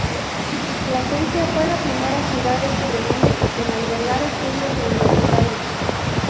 Plasencia fue la primera ciudad extremeña en albergar estudios universitarios.